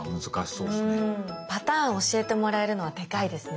パターン教えてもらえるのはでかいですね。